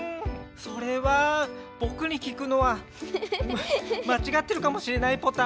それはぼくに聞くのはまちがってるかもしれないポタ。